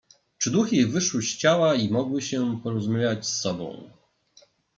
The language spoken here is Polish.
"Czy duchy ich wyszły z ciała i mogły się porozumiewać z sobą."